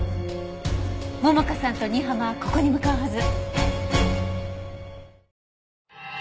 桃香さんと新浜はここに向かうはず！